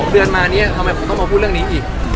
เดือนมาเนี่ยทำไมผมต้องมาพูดเรื่องนี้อีก